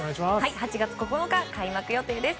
８月９日、開幕予定です。